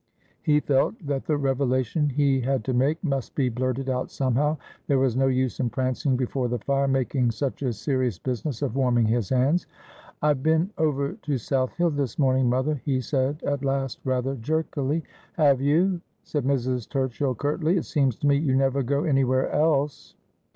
He felt that the revelation he had to make must be blurted out somehow. There was no use in prancing before the fire, making such a serious business of warming his hands. ' I've been over to South Hill this morning, mother,' he said at last, rather jerkily. ' For I wol gladly yelden Hire my Place.' 245 ' Have you ?' said Mrs. Turchill curtly. ' It seems to me you never go anywhere else.'